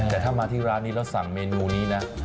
แต่ถ้ามาที่ร้านนี้แล้วสั่งเมนูนี้นะ